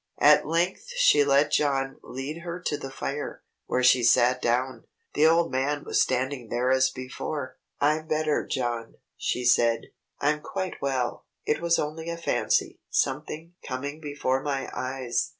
At length she let John lead her to the fire, where she sat down. The old man was standing there as before. "I'm better, John," she said. "I'm quite well. It was only a fancy, something coming before my eyes.